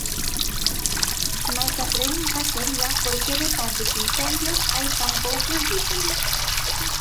Mais a pregunta sería por que de tantos incendios hai tan poucos detidos.